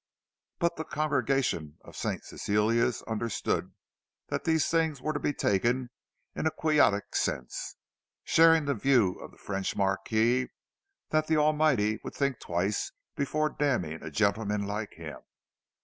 But the congregation of St. Cecilia's understood that these things were to be taken in a quixotic sense; sharing the view of the French marquis that the Almighty would think twice before damning a gentleman like him.